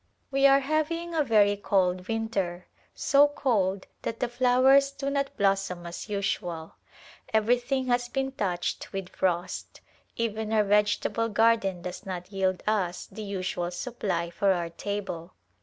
We are having a very cold winter, so cold that the flowers do not blossom as usual. Everything has been touched with frost ; even our vegetable garden does not yield us the usual supply for our table.